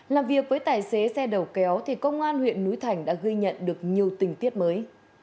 làm việc với tài xế xe đầu kéo thì công an huyện núi thành đã ghi nhận được nhiều tình tiết mới